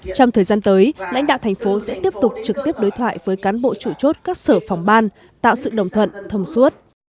trong thời gian tới lãnh đạo thành phố sẽ tiếp tục trực tiếp đối thoại với cán bộ chủ chốt các sở phòng ban tạo sự đồng thuận thông suốt